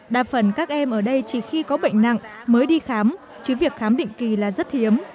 đa phần các em ở đây chỉ khi có bệnh nặng mới đi khám chứ việc khám định kỳ là rất hiếm